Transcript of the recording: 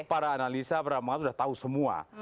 para analisa para mahasiswa sudah tahu semua